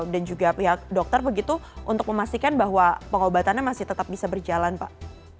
dan juga pihak dokter begitu untuk memastikan bahwa pengobatannya masih tetap bisa berjalan pak